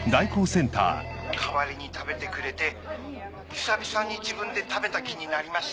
代わりに食べてくれて久々に自分で食べた気になりました。